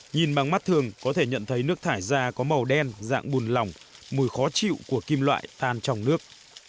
nhìn bằng mắt thường có thể nhận thấy nước thải ra có màu đen dạng bùn lỏng mùi khó chịu của kim loại than trong nước